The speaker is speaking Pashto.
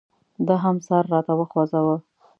ده هم سر راته وخوځاوه.